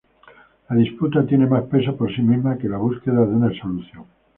La disputa tiene más peso por sí misma que la búsqueda de una solución.